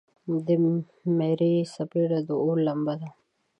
د میرې څپیړه د اور لمبه ده.